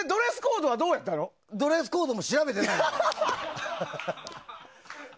ドレスコードも調べてないの。